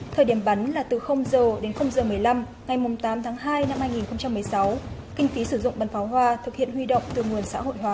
thời điểm bắn là từ h đến h một mươi năm ngày tám tháng hai năm hai nghìn một mươi sáu kinh phí sử dụng bắn pháo hoa thực hiện huy động từ nguồn xã hội hóa